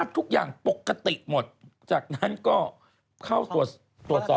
ทุกอย่างปกติหมดจากนั้นก็เข้าตรวจสอบ